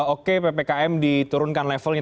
oke ppkm diturunkan levelnya